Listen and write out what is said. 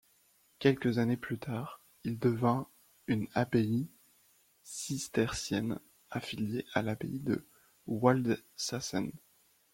Quelques années plus tard, il devient une abbaye cistercienne, affiliée à l'abbaye de Waldsassen.